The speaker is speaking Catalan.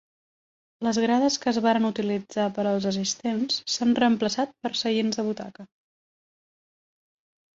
Les grades que es varen utilitzar per als assistents, s'han reemplaçat per seients de butaca.